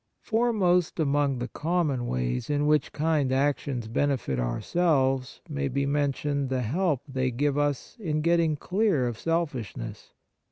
Foremost among the common ways in which kind actions benefit ourselves may be mentioned the help they gi\'e us in getting clear of sel fishness.